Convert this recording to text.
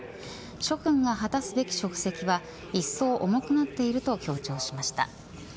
諸君が果たすべき職責は一層、重くなっていると強調しました。